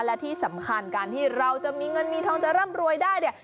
และที่สำคัญการที่เราจะมีเงินมีทองจะร่ำรวยได้เนี่ย